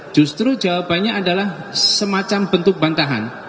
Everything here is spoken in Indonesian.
justru jawabannya adalah semacam bentuk bantahan